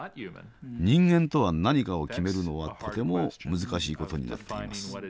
人間とは何かを決めるのはとても難しいことになっています。